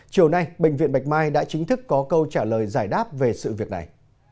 chiều nay bệnh viện bạch mai đã chính thức có câu trả lời giải đáp về sự việc này